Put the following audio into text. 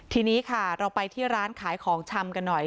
ทีนี้ค่ะเราไปที่ร้านขายของชำกันหน่อย